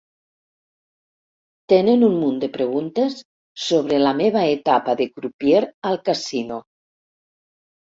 Tenen un munt de preguntes sobre la meva etapa de crupier al casino.